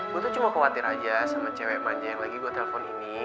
gue tuh cuma khawatir aja sama cewek banyak yang lagi gue telepon ini